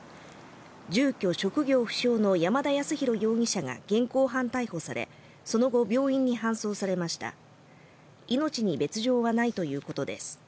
住居職業不詳の山田康裕容疑者が現行犯逮捕されその後病院に搬送されました命に別状はないということです